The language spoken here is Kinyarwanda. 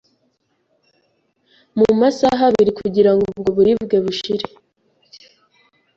mu masaha abiri kugira ngo ubwo buribwe bushire.